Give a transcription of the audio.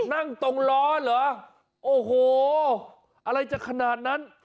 นั่งตรงล้อเหรอโอ้โหอะไรจะขนาดนั้น